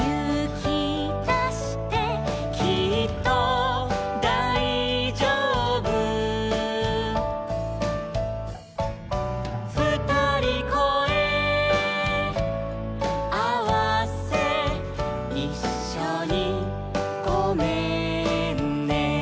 「きっとだいじょうぶ」「ふたりこえあわせ」「いっしょにごめんね」